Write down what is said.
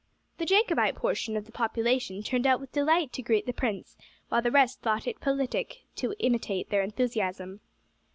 The Jacobite portion of the population turned out with delight to greet the prince, while the rest thought it politic to imitate their enthusiasm.